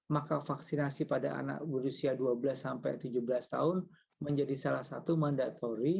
maka vaksinasi pada anak berusia dua belas sampai tujuh belas tahun menjadi salah satu mandatori